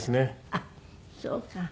あっそうか。